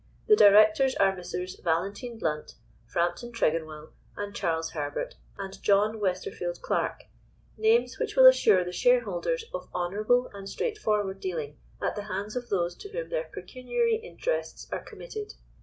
The Directors are Messrs. Valentine Blount, Frampton Tregonwell, and Charles Herbert and John Westerfield Clarke, names which will assure the shareholders of honourable and straightforward dealing at the hands of those to whom their pecuniary interests are committed.